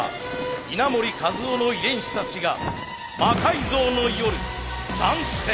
稲盛和夫の遺伝子たちが「魔改造の夜」参戦。